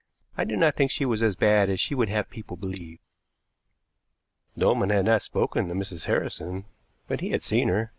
I do not think she was as bad as she would have people believe." Dolman had not spoken to Mrs. Harrison, but he had seen her.